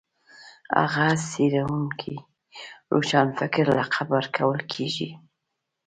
هغه څېړونکي روښانفکر لقب ورکول کېږي